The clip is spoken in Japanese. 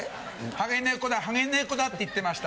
「ハゲ猫だハゲ猫だ」って言ってました。